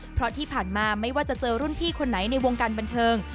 เพราะที่ผ่านมาไม่ว่าจะเจอรุ่นพี่คนไหนในวงการบันเทิง